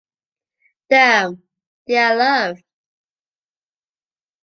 Them, they are loved.